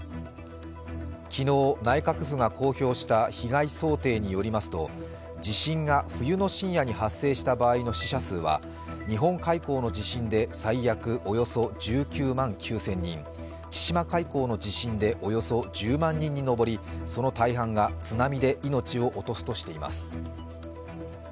昨日、内閣府が公表した被害想定によりますと地震が冬の深夜に発生した場合の死者数は日本海溝の地震で最悪１９万９０００人、千島海溝の地震でおよそ１０万人に上り、その大半が津波で命を落とすとしています。